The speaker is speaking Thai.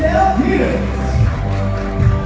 สโลแมคริปราบาล